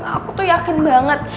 aku tuh yakin banget